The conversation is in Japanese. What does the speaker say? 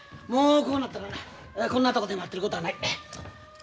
もうこうなったらなこんなとこで待ってることはない。